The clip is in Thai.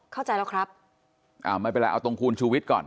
เข้าใจแล้วครับอ่าไม่เป็นไรเอาตรงคุณชูวิทย์ก่อน